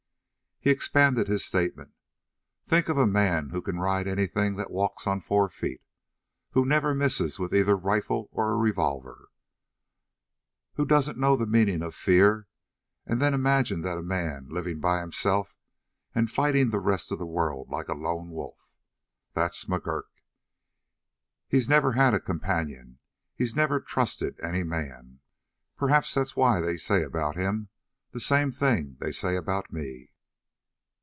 He expanded his statement: "Think of a man who can ride anything that walks on four feet, who never misses with either a rifle or a revolver, who doesn't know the meaning of fear, and then imagine that man living by himself and fighting the rest of the world like a lone wolf. That's McGurk. He's never had a companion; he's never trusted any man. Perhaps that's why they say about him the same thing that they say about me."